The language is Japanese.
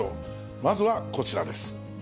まずはこちらです。